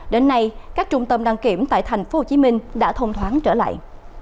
đến nay các trung tâm đăng kiểm tại tp hcm đã thông thoáng trở lại